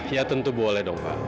ya tentu boleh dong pak